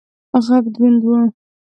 غږ دروند و.